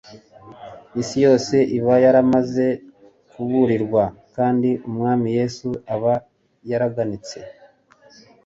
isi yose iba yaramaze kuburirwa, kandi Umwami Yesu aba yaraganitse